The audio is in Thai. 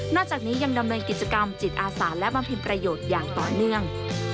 จากนี้ยังดำเนินกิจกรรมจิตอาสาและบำเพ็ญประโยชน์อย่างต่อเนื่อง